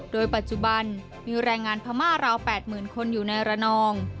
โดยปัจจุบันมีแรงงานพม่าราว๘๐๐๐คนอยู่ในระนอง